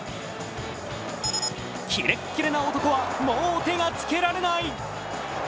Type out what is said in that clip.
キレッキレな男はもう手がつけられない。